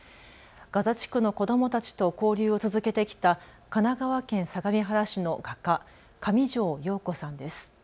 ガザ地区の子どもたちと交流を続けてきた神奈川県相模原市の画家、上條陽子さんです。